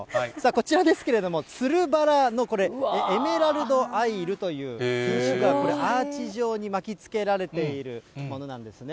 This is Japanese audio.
こちらですけれども、つるバラのこれ、エメラルド・アイルという品種で、これ、アーチ状に巻きつけられているものなんですね。